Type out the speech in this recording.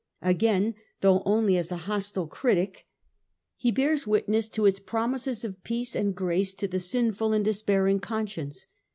Again, though only as a hostile critic, he bears witness to its promises of peace and grace to the sinful and despairing conscience.